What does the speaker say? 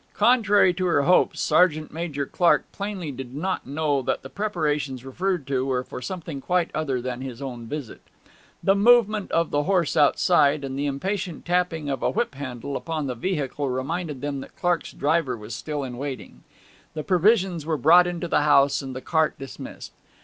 Contrary to her hopes Sergeant Major Clark plainly did not know that the preparations referred to were for something quite other than his own visit. The movement of the horse outside, and the impatient tapping of a whip handle upon the vehicle reminded them that Clark's driver was still in waiting. The provisions were brought into the house, and the cart dismissed.